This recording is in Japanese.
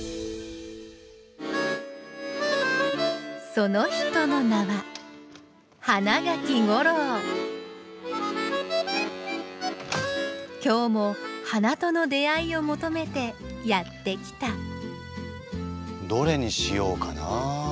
その人の名は今日も花との出会いを求めてやって来たどれにしようかな。